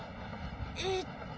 えっと